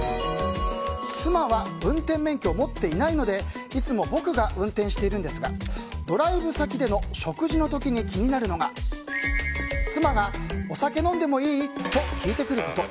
妻は運転免許を持っていないのでいつも僕が運転しているんですがドライブ先での食事の時に気になるのが妻が、お酒飲んでもいい？と聞いてくること。